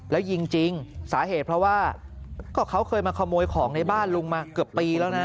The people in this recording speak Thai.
แล้วยิงจริงสาเหตุเพราะว่าก็เขาเคยมาขโมยของในบ้านลุงมาเกือบปีแล้วนะ